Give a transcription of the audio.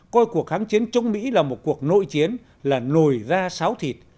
coi cuộc kháng chiến chống mỹ là một cuộc nội chiến là nồi ra sáo thịt